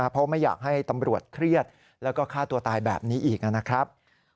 เพราะไม่อยากให้ตำรวจเครียดแล้วก็ฆ่าตัวตายแบบนี้อีกนะครับ